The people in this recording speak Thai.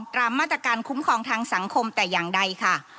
ตามมาตรการคุ้มครองทางสังคมแต่อย่างใดค่ะ